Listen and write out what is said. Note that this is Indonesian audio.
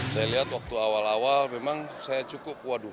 saya lihat waktu awal awal memang saya cukup waduh